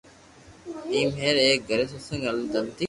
ايڪ ھير ايڪ گھري ستسينگ ھالتي